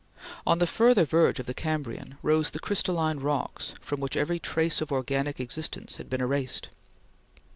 On the further verge of the Cambrian rose the crystalline rocks from which every trace of organic existence had been erased.